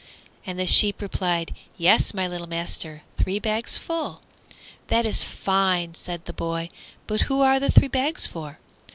And the sheep replied, "Yes my little master, three bags full!" "That is fine!" said the boy; "but who are the three bags for?"